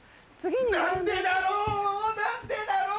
なんでだろうなんでだろう